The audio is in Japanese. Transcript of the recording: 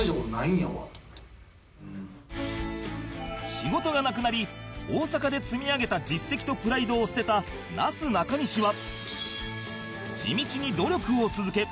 仕事がなくなり大阪で積み上げた実績とプライドを捨てたなすなかにしは地道に努力を続け